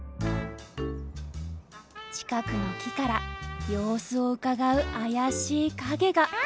近くの木から様子をうかがう怪しい影が。